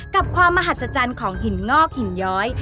กับความมหัศจรรย์ของหินงอกหินย้อย